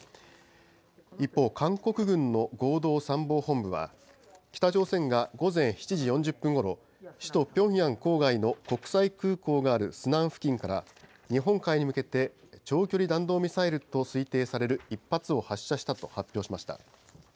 一方、韓国軍の合同参謀本部は、北朝鮮が午前７時４０分ごろ、首都ピョンヤン郊外の国際空港があるスナン付近から日本海に向けて、長距離弾道ミサイルと推定される１発を発射したと発表しました。